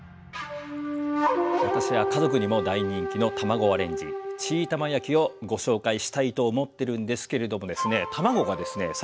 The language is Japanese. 私は家族にも大人気の卵アレンジチーたま焼きをご紹介したいと思ってるんですけれどもですね卵がですね